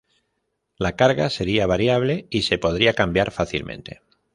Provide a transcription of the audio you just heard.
La carga sería variable y se podría cambiar fácilmente.